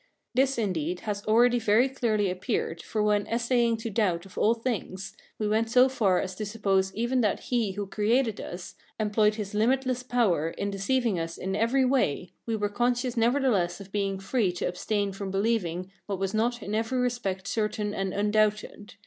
This, indeed, has already very clearly appeared, for when essaying to doubt of all things, we went so far as to suppose even that he who created us employed his limitless power in deceiving us in every way, we were conscious nevertheless of being free to abstain from believing what was not in every respect certain and undoubted.